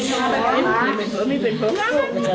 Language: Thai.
โอ้โหโอ้โห